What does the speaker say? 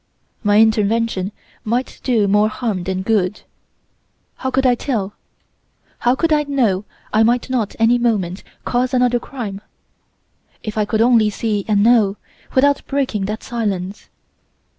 My intervention might do more harm than good. How could I tell? How could I know I might not any moment cause another crime? If I could only see and know, without breaking that silence!